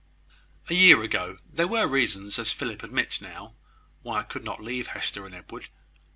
"A year ago, there were reasons, as Philip admits now, why I could not leave Hester and Edward.